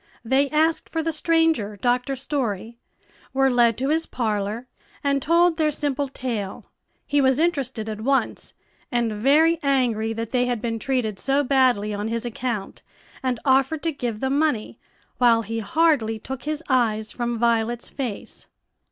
They asked for the stranger, Dr. Story, were led to his parlor, and told their simple tale. He was interested at once, and very angry that they had been treated so badly on his account, and offered to give them money, while he hardly took his eyes from Violet's face.